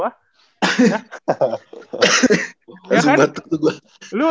langsung batuk tuh gue